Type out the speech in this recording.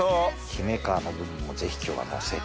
姫皮の部分もぜひ今日はのせて。